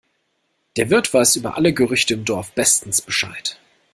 Der Wirt weiß über alle Gerüchte im Dorf bestens Bescheid.